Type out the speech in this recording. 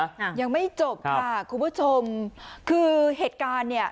อ่ะยังไม่จบค่ะคุณผู้ชมคือเหตุการณ์เนี้ย